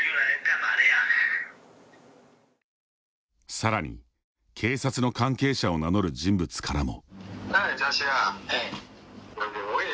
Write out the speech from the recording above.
さらに、警察の関係者を名乗る人物からも。